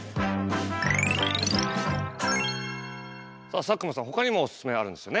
さあ佐久間さんほかにもオススメあるんですよね。